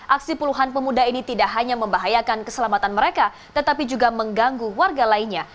aksi puluhan pemuda ini tidak hanya membahayakan keselamatan mereka tetapi juga mengganggu warga lainnya